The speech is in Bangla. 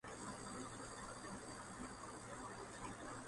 নেতৃত্ব ছিলেন এই অরবিন্দ ঘোষ।